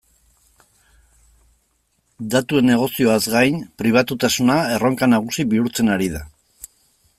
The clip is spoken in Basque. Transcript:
Datuen negozioaz gain, pribatutasuna erronka nagusi bihurtzen ari da.